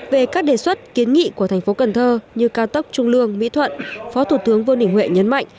về các đề xuất kiến nghị của thành phố cần thơ như cao tốc trung lương mỹ thuận phó thủ tướng vương đình huệ nhấn mạnh